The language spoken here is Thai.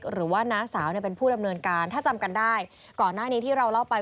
หรือว่าสิ่งเป็นการใช้เวลาให้ดี